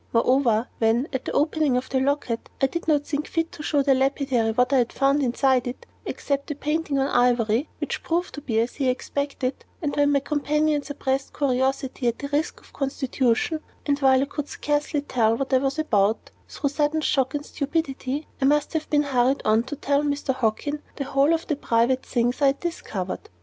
Moreover, when, at the opening of the locket, I did not think fit to show the lapidary what I had found inside it, except the painting on ivory (which proved to be as he expected), and when my companion suppressed curiosity at the risk of constitution, and while I could scarcely tell what I was about (through sudden shock and stupidity), I must have been hurried on to tell Major Hockin the whole of the private things I had discovered.